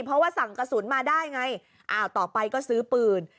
เพราะว่าสั่งกระสุนมาได้ไงอ้าวต่อไปก็ซื้อปืน